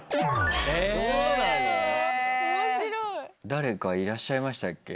誰かいらっしゃいましたっけ？